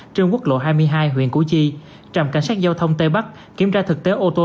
trên quốc lộ hai mươi hai huyện củ chi trạm cảnh sát giao thông tây bắc kiểm tra thực tế ô tô